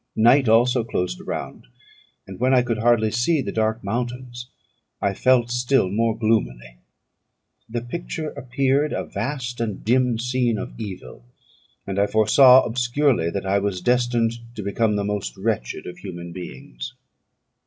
Night also closed around; and when I could hardly see the dark mountains, I felt still more gloomily. The picture appeared a vast and dim scene of evil, and I foresaw obscurely that I was destined to become the most wretched of human beings.